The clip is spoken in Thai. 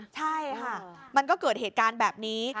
ใช่ค่ะมันก็เกิดเหตุการณ์แบบนี้